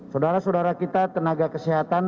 saudara saudara kita tenaga kesehatan